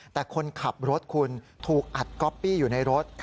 แต่คนขับรถคุณถูกอัดก๊อปปี้อยู่ในรถ